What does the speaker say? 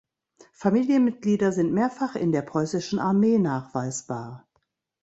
Familienmitglieder sind mehrfach in der preußischen Armee nachweisbar.